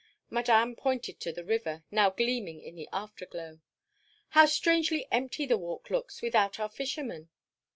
Madame pointed to the river, now gleaming in the afterglow. "How strangely empty the Walk looks without our fisherman!"